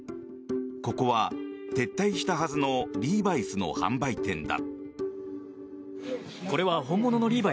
ここは撤退したはずのリーバイスの販売店だ。